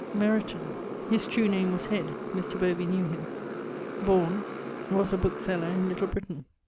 Meriton his true name was Head (Mr. Bovey knew him). Borne ...; was a bookeseller in Little Britaine.